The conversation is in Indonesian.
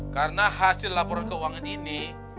karena hasil laporan keuangan ini